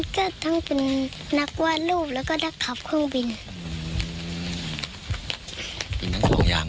ก็ต้องเป็นนักวาดรูปแล้วก็ได้ขับเครื่องบิน